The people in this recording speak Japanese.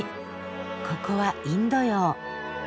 ここはインド洋。